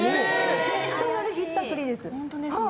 絶対あれ、ひったくりです。